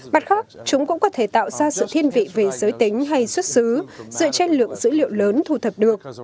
mặt khác chúng cũng có thể tạo ra sự thiên vị về giới tính hay xuất xứ dựa trên lượng dữ liệu lớn thù thật